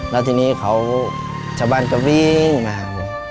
แล้วทีนี้เขาชะบันกระวิ่งมา